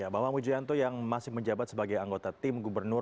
bambang mujanto yang masih menjabat sebagai anggota tim gubernur